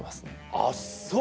あっそう。